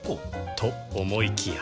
と思いきや